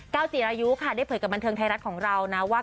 จีรายุค่ะได้เผยกับบันเทิงไทยรัฐของเรานะว่า